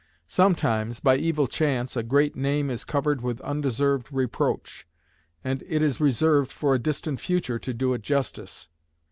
Sometimes, by evil chance, a great name is covered with undeserved reproach; and it is reserved for a distant future to do it justice.